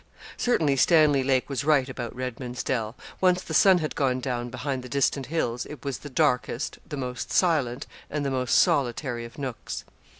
Certainly Stanley Lake was right about Redman's Dell. Once the sun had gone down behind the distant hills, it was the darkest, the most silent, and the most solitary of nooks.